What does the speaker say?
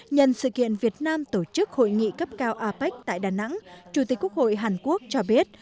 nhân sự kiện việt nam tổ chức hội nghị cấp cao apec tại đà nẵng chủ tịch quốc hội hàn quốc cho biết